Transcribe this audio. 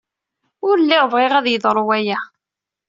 Ur lliɣ bɣiɣ ad yeḍru waya.